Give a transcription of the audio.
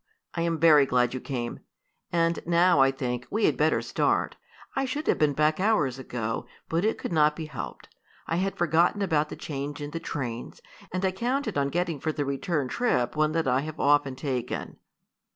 I am very glad you came. And now, I think, we had better start. I should have been back hours ago, but it could not be helped. I had forgotten about the change in the trains, and I counted on getting for the return trip one that I have often taken."